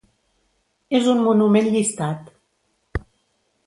És un monument llistat.